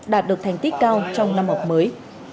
đạt được thành tích cao trong năm học mới